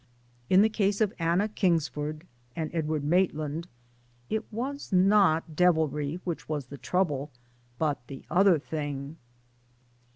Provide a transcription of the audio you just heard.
In the case of Anna Kingsford and Edward Mait land it was not devilry which was the trouble, but the other thing